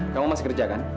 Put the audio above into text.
kamu masih kerja kan